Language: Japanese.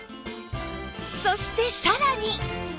そしてさらに